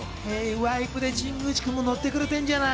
ワイプで神宮寺君もノッてくれてるじゃない。